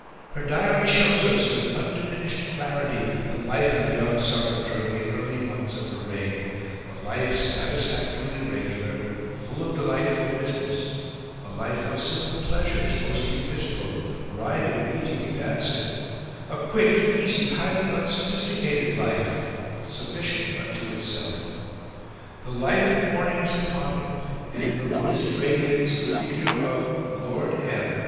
Her diary shows us, with undiminished clarity, the life of the young sovereign during the early months of her reign a life satisfactorily regular, full of delightful business, a life of simple pleasures, mostly physical riding, eating, dancing a quick, easy, highly unsophisticated life, sufficient unto itself. The light of the morning is upon it; and, in the rosy radiance, the figure of "Lord M."